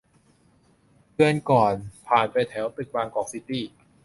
เดือนก่อน ผ่านไปแถวตึกบางกอกซิตี้